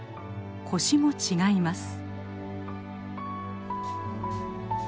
コシも違います。